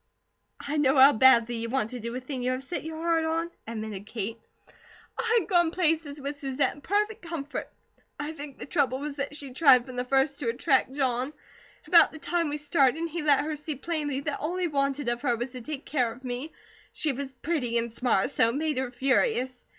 "I know how badly you want to do a thing you have set your heart on," admitted Kate. "I had gone places with Susette in perfect comfort. I think the trouble was that she tried from the first to attract John. About the time we started, he let her see plainly that all he wanted of her was to take care of me; she was pretty and smart, so it made her furious.